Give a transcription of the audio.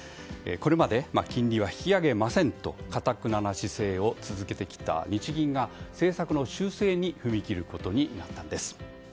これまで金利は引き上げませんとかたくなな姿勢を続けてきた日銀が政策の修正に踏み切ることになったんです。